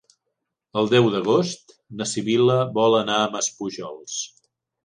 El deu d'agost na Sibil·la vol anar a Maspujols.